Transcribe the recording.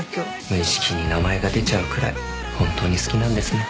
無意識に名前が出ちゃうくらいホントに好きなんですね。